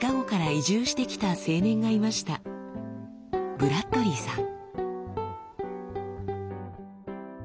ブラッドリーさん。